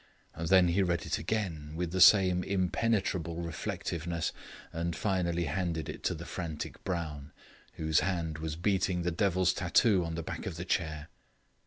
Then he read it again with the same impenetrable reflectiveness, and finally handed it to the frantic Brown, whose hand was beating the devil's tattoo on the back of the chair.